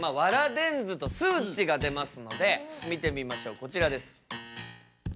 電図と数値が出ますので見てみましょうこちらです。